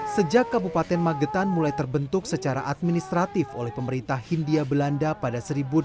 sejak kabupaten magetan mulai terbentuk secara administratif oleh pemerintah hindia belanda pada seribu delapan ratus